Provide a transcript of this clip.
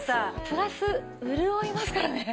プラス潤いますからね。